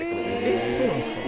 えっそうなんですか？